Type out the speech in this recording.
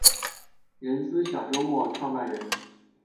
人资小周末创办人